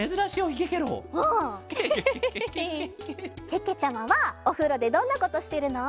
けけちゃまはおふろでどんなことしてるの？